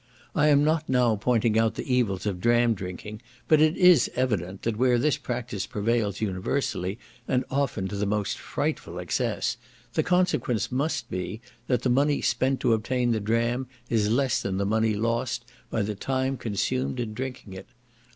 I am not now pointing out the evils of dram drinking, but it is evident, that where this practice prevails universally, and often to the most frightful excess, the consequence must be, that the money spent to obtain the dram is less than the money lost by the time consumed in drinking it.